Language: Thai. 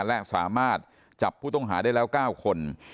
และสามารถจับผู้ต้องหาได้แล้ว๙คน